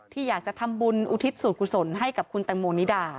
อยากจะทำบุญอุทิศส่วนกุศลให้กับคุณแตงโมนิดา